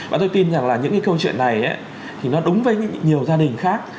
và tôi tin rằng là những cái câu chuyện này thì nó đúng với nhiều gia đình khác